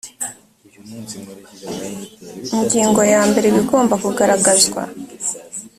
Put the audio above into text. ingingo ya mbere ibigomba kugaragazwa